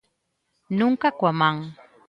Nunca coa man.